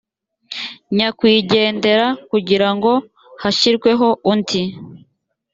nyakwigendera kugira ngo hashyirweho undi